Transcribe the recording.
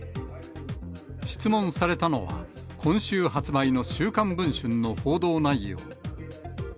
質問されたのは、今週発売の週刊文春の報道内容。